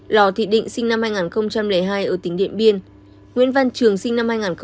lò thị định sinh năm hai nghìn hai ở tỉnh điện biên nguyễn văn trường sinh năm hai nghìn ba ở tỉnh thanh hóa